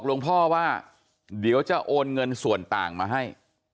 หลวงพ่อว่าเดี๋ยวจะโอนเงินส่วนต่างมาให้